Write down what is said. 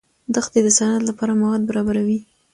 دښتې د صنعت لپاره مواد برابروي.